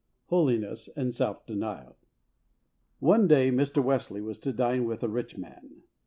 Holiness and Self Denial. I. O NE day Mr. Wesley was to dine with a rich man.